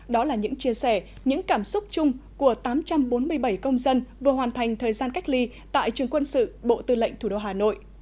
đó là những chia sẻ những cảm xúc chung của tám trăm bốn mươi bảy công dân vừa hoàn thành thời gian cách ly tại trường quân sự bộ tư lệnh thủ đô hà nội